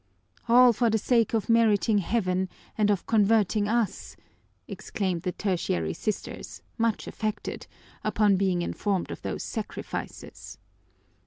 "All for the sake of meriting heaven and of converting us!" exclaimed the Tertiary Sisters, much affected, upon being informed of these sacrifices.